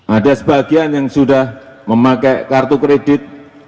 ada sebagian yang sudah memakai kartu kredit